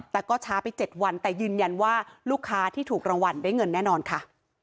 แต่ก็ช้าไป๗วันแต่ยืนยันว่าลูกค้าที่ถูกรางวัลได้เงินแน่นอนค่ะ